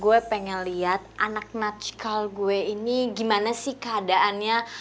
gue pengen lihat anak nutch call gue ini gimana sih keadaannya